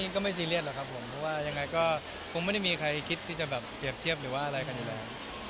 ก็ไม่ซีเรียสหรอกครับผมเพราะว่ายังไงก็คงไม่ได้มีใครคิดที่จะแบบเปรียบเทียบหรือว่าอะไรกันอยู่แล้ว